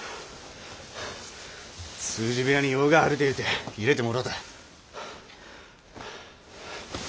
通詞部屋に用があるて言うて入れてもろうた。